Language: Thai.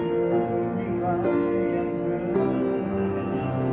มีคุณใจในใครมากกว่านี้